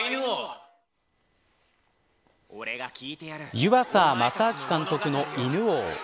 湯浅政明監督の犬王。